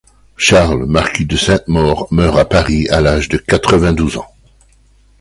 Charles marquis de Sainte-Maure meurt à Paris le à l'âge de quatre-vingt-douze ans.